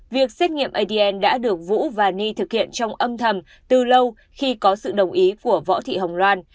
việc xét nghiệm adn đã được vũ và ni thực hiện trong âm thầm từ lâu khi có sự đồng ý của võ thị hồng loan